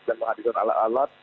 dan mengadilkan alat alat